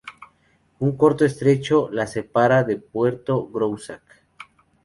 Un corto estrecho la separa de Puerto Groussac.